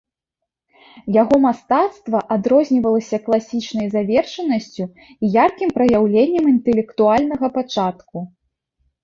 Яго мастацтва адрознівалася класічнай завершанасцю і яркім праяўленнем інтэлектуальнага пачатку.